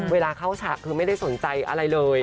เวลาเข้าฉากคือไม่ได้สนใจอะไรเลย